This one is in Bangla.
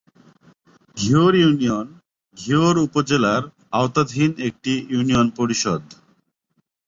ঘিওর ইউনিয়ন ঘিওর উপজেলার আওতাধীন একটি ইউনিয়ন পরিষদ।